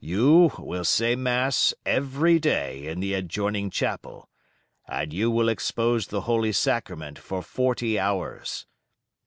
You will say mass every day in the adjoining chapel, and you will expose the Holy Sacrament for forty hours.